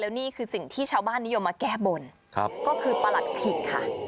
นี่คือสิ่งที่ชาวบ้านนิยมมาแก้บนก็คือประหลัดขิกค่ะ